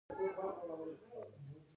هغه د تولید لګښتونه په دې وسیله کموي